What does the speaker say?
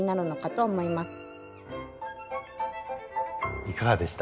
いかがでした？